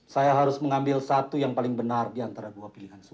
saya ingin memrebbebkan